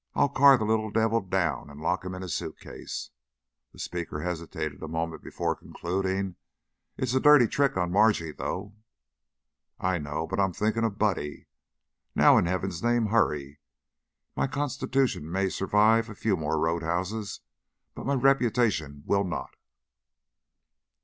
I'll car the little devil down and lock him in a suitcase." The speaker hesitated a moment before concluding. "It's a dirty trick on Margie, though." "I know. But I'm thinking of Buddy. Now, in Heaven's name, hurry! My constitution may survive a few more road houses, but my reputation will not."